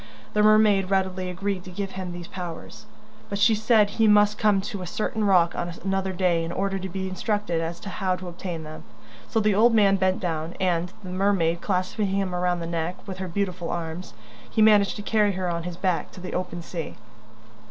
The mermaid readily agreed to give him these powers, but she said he must come to a certain rock on another day in order to be instructed as to how to obtain them. So the old man bent down and, the mermaid clasping him round the neck with her beautiful arms, he managed to carry her on his back to the open sea.